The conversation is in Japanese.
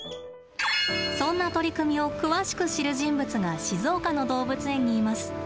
そんな取り組みを詳しく知る人物が静岡の動物園にいます。